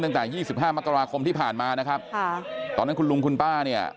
ตั้งแต่๒๕มกราคมที่ผ่านมานะครับตอนนั้นคุณลุงคุณป้าเนี่ย